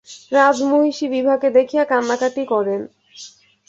রাজমহিষী বিভাকে দেখিয়া কান্নাকাটি করেন।